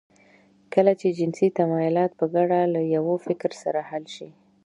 کله چې جنسي تمايلات په ګډه له يوه فکر سره حل شي.